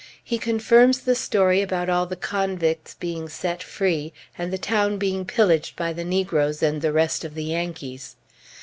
He confirms the story about all the convicts being set free, and the town being pillaged by the negroes and the rest of the Yankees.